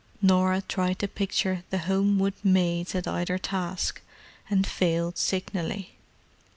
Norah tried to picture the Homewood maids at either task, and failed signally.